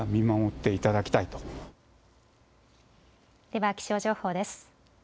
では気象情報です。